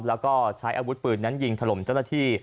แล้วก็ใช้อาวุธปืนนั้นยิงถล่มเจ้าหน้าที่